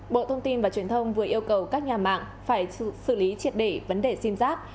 bộ thông tin và truyền thông vừa yêu cầu các nhà mạng phải xử lý triệt để vấn đề sim giác